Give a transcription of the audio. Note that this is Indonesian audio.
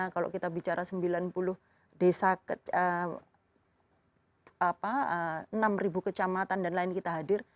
kalau kita bicara sembilan puluh desa enam kecamatan dan lain kita hadir